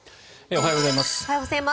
おはようございます。